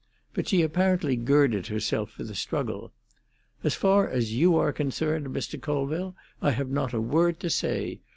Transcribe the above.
But she apparently girded herself for the struggle. "As far as you are concerned, Mr. Colville, I have not a word to say.